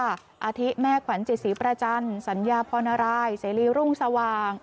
อาทิแม่ขวัญจิตศรีประจันทร์สัญญาพรณรายเสรีรุ่งสว่าง